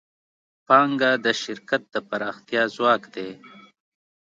پانګه د شرکت د پراختیا ځواک دی.